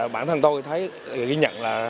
bản thân tôi thấy ghi nhận